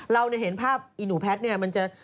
เราเห็นภาพอีหนูแพทย์เนี่ยมันจะ